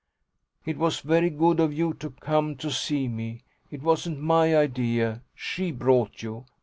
It was very good of you to come to see me; it wasn't my idea SHE brought you.